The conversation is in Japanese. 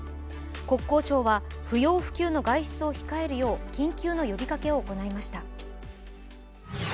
国交省は不要不急の外出を控えるよう緊急の呼びかけを行いました。